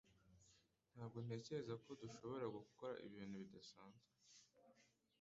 Ntabwo ntekereza ko dushobora gukora ibintu bidasanzwe